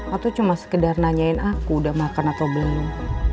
atau cuma sekedar nanyain aku udah makan atau belum